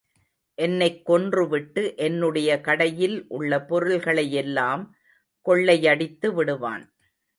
என்னைக் கொன்று விட்டு என்னுடைய கடையில் உள்ள பொருள்களையெல்லாம் கொள்ளையடித்து விடுவான்.